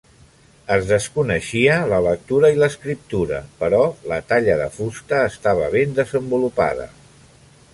Es desconeixia la lectura i l'escriptura, però la talla de fusta estava ben desenvolupada.